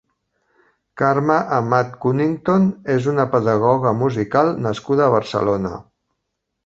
Carme Amat Cunnington és una pedagoga musical nascuda a Barcelona.